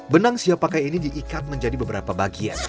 benang siap pakai ini diikat menjadi beberapa bagian